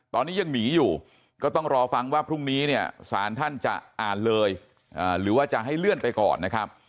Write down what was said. ตอนนี้ยังหนีอยู่ก็ต้องรอฟังว่าพรุ่งนี้เนี่ยสารท่านจะอ่านเลยหรือว่าจะให้เลื่อนไปก่อนนะครับ